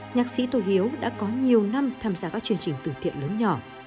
nhạc sĩ tô hiếu đã có nhiều năm tham gia các chương trình từ thiện lớn nhỏ